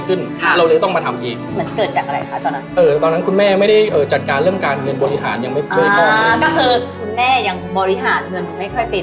คือคุณมันยังบริหารเงินค่อยไม่ยอมไกล